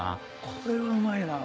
これはうまいな。